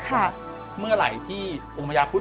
ว่าเมื่อไหร่ที่องค์พระยาคุฑ